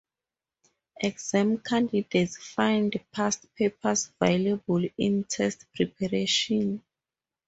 Exam candidates find past papers valuable in test preparation.